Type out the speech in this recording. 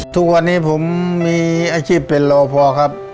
ทุกวันนี้ผมมีอาชีพเป็นรอพอครับ